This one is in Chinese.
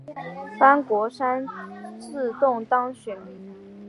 潘国山自动当选。